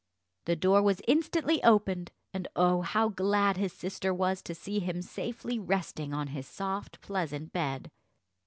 The door was instantly opened, and oh, how glad his sister was to see him safely resting on his soft pleasant bed!